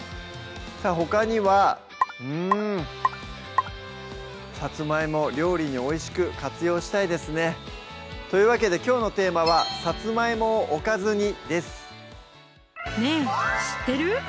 さぁほかにはうんさつまいも料理においしく活用したいですねというわけできょうのテーマは「さつまいもをおかずに！」